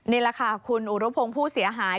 นี่แหละค่ะคุณอุรุพงศ์ผู้เสียหาย